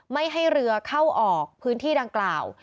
ไม่ให้เรือเข้าออกพื้นที่ดังกล่าว